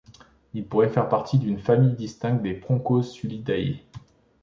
Il pourrait faire partie d'une famille distincte des Proconsulidae.